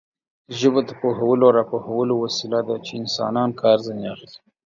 ژبه د پوهولو او راپوهولو وسیله ده چې انسانان کار ځنې اخلي.